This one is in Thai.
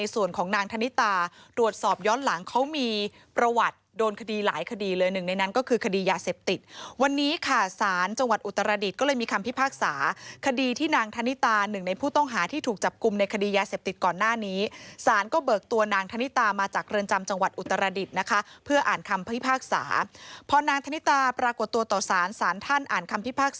ส่วนของนางธนิตาตรวจสอบย้อนหลังเขามีประวัติโดนคดีหลายคดีเลยหนึ่งในนั้นก็คือคดียาเสพติดวันนี้ค่ะสารจังหวัดอุตรรดิตก็เลยมีคำพิพากษาคดีที่นางธนิตาหนึ่งในผู้ต้องหาที่ถูกจับกุมในคดียาเสพติดก่อนหน้านี้สารก็เบิกตัวนางธนิตามาจากเรือนจำจังหวัดอุตรรดิตนะคะเพื่ออ่านค